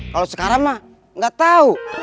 kalo sekarang mah gak tau